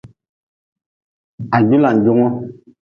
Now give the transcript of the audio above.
Hajulanjungu.